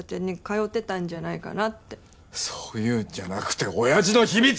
そういうんじゃなくておやじの秘密！